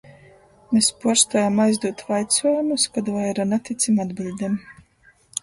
Mes puorstuojam aizdūt vaicuojumus, kod vaira naticim atbiļdem.